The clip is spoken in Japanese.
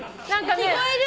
聞こえる！